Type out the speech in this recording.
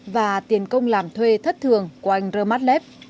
và tiền công làm thuê thất thường của anh rơm mát led